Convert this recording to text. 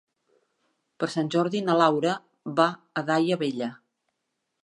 Per Sant Jordi na Laura va a Daia Vella.